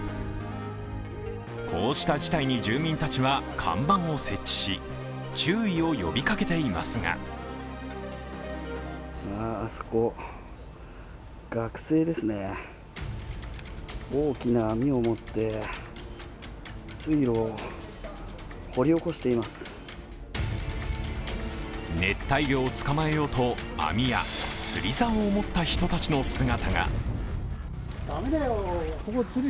こうした事態に住民たちは看板を設置し、注意を呼びかけていますが熱帯魚を捕まえようと、網や釣りざおを持った人たちの姿が。